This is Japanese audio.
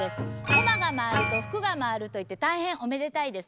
「こまが回ると福が回る」といって大変おめでたいです。